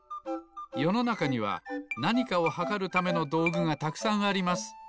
よのなかにはなにかをはかるためのどうぐがたくさんあります。